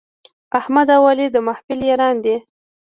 احمد او علي د محفل یاران دي.